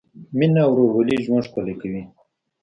مینه او ورورولي ژوند ښکلی کوي.